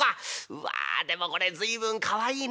うわでもこれ随分かわいいね。